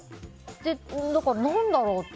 だから何だろうって。